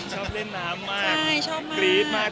ชอบเล่นน้ำมาก